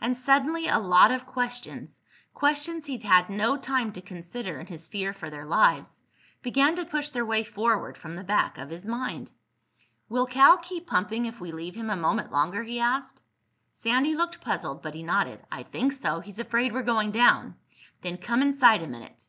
And suddenly a lot of questions—questions he'd had no time to consider in his fear for their lives—began to push their way forward from the back of his mind. "Will Cal keep pumping if we leave him a minute longer?" he asked. Sandy looked puzzled but he nodded. "I think so. He's afraid we're going down." "Then come inside a minute."